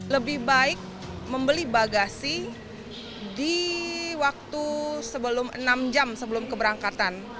lebih baik membeli bagasi di waktu sebelum enam jam sebelum keberangkatan